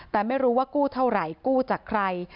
แต่ไม่รู้ว่ากู้เท่าไหร่กู้จากใคร